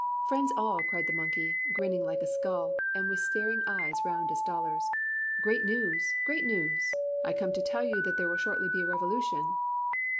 'Friends all,' cried the monkey, grinning like a skull, and with staring eyes round as dollars, 'great news! great news! I come to tell you that there will shortly be a revolution.'